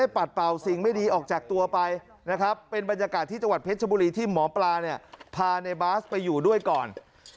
เพชรบุรีที่หมอปลาเนี่ยพาในบาสไปอยู่ด้วยก่อน